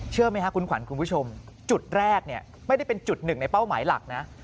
เชื่อไหมคุณขวัญคุณผู้ชมจุดแรกไม่ได้เป็นจุดหนึ่งในเป้าหมายหลักนะ